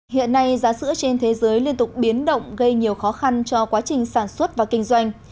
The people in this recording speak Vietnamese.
hiện nay giá sữa trên thế giới liên tục biến động gây nhiều khó khăn cho quá trình sản xuất và kinh doanh